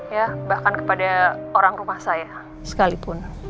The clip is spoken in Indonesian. ya bahkan kepada orang rumah saya sekalipun